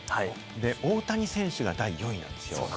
大谷選手が第４位なんですよ。